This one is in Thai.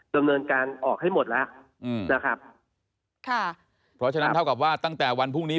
ดำเนินการออกให้หมดแล้วอืมนะครับค่ะเพราะฉะนั้นเท่ากับว่าตั้งแต่วันพรุ่งนี้